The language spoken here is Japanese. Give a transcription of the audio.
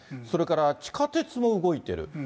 それから地下鉄も動いてる。